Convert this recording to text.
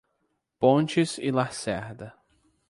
Pontes e Lacerda